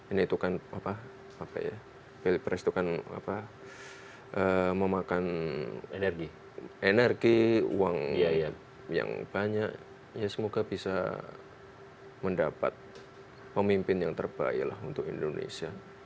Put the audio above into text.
ini itu kan apa ya pilpres itu kan memakan energi uang yang banyak ya semoga bisa mendapat pemimpin yang terbaik lah untuk indonesia